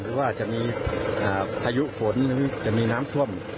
หรือว่าจะมีพายุฝนหรือจะมีน้ำท่วม